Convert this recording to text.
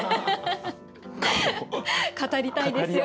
語りたいですよね。